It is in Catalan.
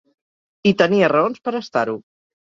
I tenia raons per estar-ho.